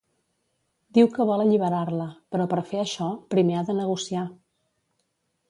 Diu que vol alliberar-la, però per fer això, primer ha de negociar.